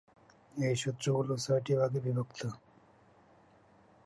এই সূত্রগুলো ছয়টি ভাগে বিভক্ত।